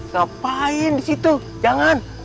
ngapain di situ jangan